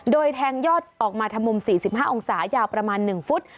โดยแทงยอดออกมาทำมุม๔๕องศายาวประมาณ๑ฟุต